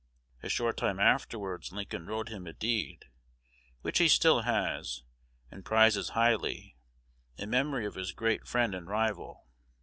A short time afterwards Lincoln wrote him a deed, which he still has, and prizes highly, in memory of his great friend and rival.